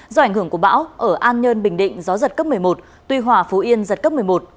do ảnh hưởng của bão ở an nhơn bình định gió giật cấp một mươi một tuy hòa phú yên giật cấp một mươi một